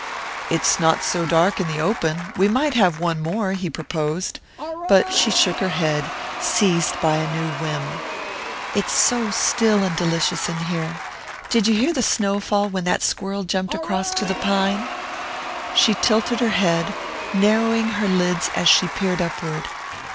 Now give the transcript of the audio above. "It's not so dark in the open we might have one more," he proposed; but she shook her head, seized by a new whim. "It's so still and delicious in here did you hear the snow fall when that squirrel jumped across to the pine?" She tilted her head, narrowing her lids as she peered upward.